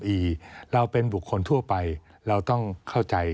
เราเป็นบุคคลทั่วไปเราต้องเข้าใจ